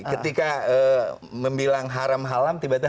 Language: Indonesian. ketika membilang haram halam tiba tiba